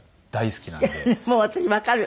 もう私わかる。